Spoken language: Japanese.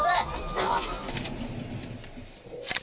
あっ。